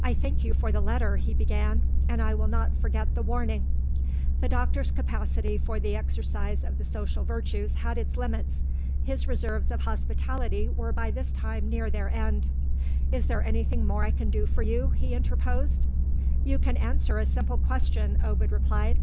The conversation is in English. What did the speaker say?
"I thank you for the letter," he began; "and I will not forget the warning." The doctor's capacity for the exercise of the social virtues had its limits. His reserves of hospitality were by this time near their end. "Is there anything more I can do for you?" he interposed. "You can answer a simple question," Ovid replied.